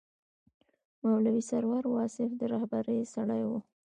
مولوي سرور واصف د رهبرۍ سړی و.